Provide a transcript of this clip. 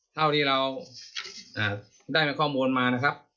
เท่าที่เราได้ข้อมูลมานะครับ